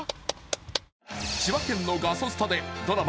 千葉県のガソスタでドラマ